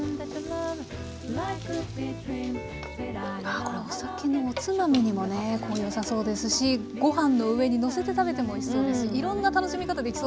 ああこれお酒のおつまみにもね良さそうですしご飯の上にのせて食べてもおいしそうですしいろんな楽しみ方できそうですね。